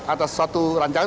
atas satu rancangan